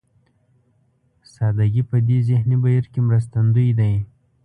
سادهګي په دې ذهني بهير کې مرستندوی دی.